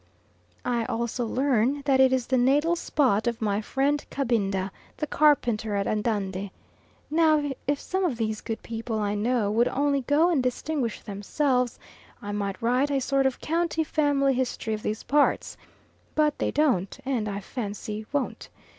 I also learn that it is the natal spot of my friend Kabinda, the carpenter at Andande. Now if some of these good people I know would only go and distinguish themselves, I might write a sort of county family history of these parts; but they don't, and I fancy won't.